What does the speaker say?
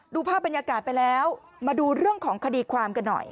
ภาพบรรยากาศไปแล้วมาดูเรื่องของคดีความกันหน่อย